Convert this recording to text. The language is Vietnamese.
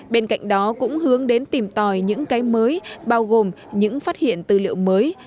bên cạnh đó cũng hướng đến tìm tòi những cái mới bao gồm những phát hiện tư liệu mới